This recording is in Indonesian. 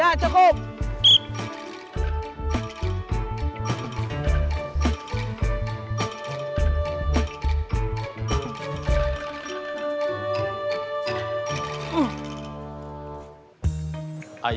namen aktif ini